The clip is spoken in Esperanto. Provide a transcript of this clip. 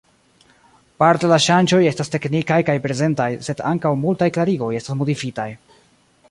Parte la ŝanĝoj estas teknikaj kaj prezentaj, sed ankaŭ multaj klarigoj estas modifitaj.